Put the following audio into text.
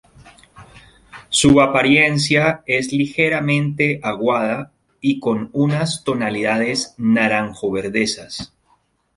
Su apariencia es ligeramente aguada y con unas tonalidades naranjo-verdesas.